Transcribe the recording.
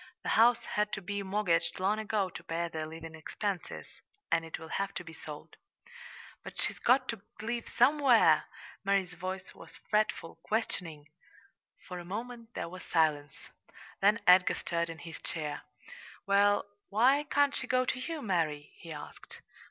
"The house had to be mortgaged long ago to pay their living expenses, and it will have to be sold." "But she's got to live somewhere!" Mary's voice was fretful, questioning. For a moment there was silence; then Edgar stirrad in his chair. "Well, why can't she go to you, Mary?" he asked.